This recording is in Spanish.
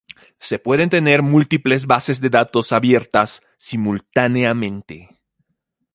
Se pueden tener múltiples bases de datos abiertas simultáneamente.